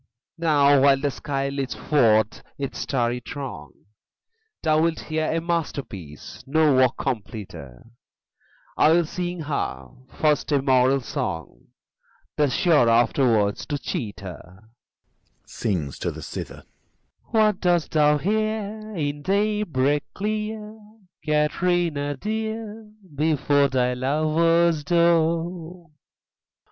Now, while the sky leads forth its starry throng, Thou'lt hear a masterpiece, no work completer: I'll sing her, first, a moral song, The surer, afterwards, to cheat her. (Sings to the cither.) What dost thou here In daybreak clear, Kathrina dear, Before thy lover's door?